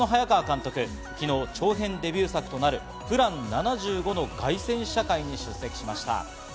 その早川監督、昨日、長編デビュー作となる『ＰＬＡＮ７５』の凱旋試写会に出席しました。